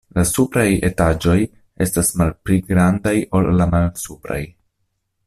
La supraj etaĝoj estas malpli grandaj ol la malsupraj.